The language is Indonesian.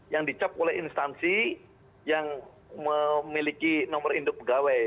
yang dicap oleh instansi yang memiliki nomor induk pegawai